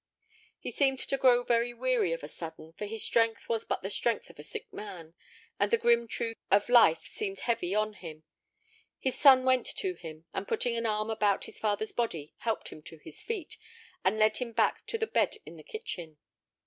He seemed to grow very weary of a sudden, for his strength was but the strength of a sick man, and the grim truths of life seemed heavy on him. His son went to him, and, putting an arm about his father's body, helped him to his feet, and led him back to the bed in the kitchen.